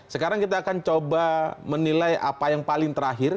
sekarang kita akan coba menilai apa yang paling terakhir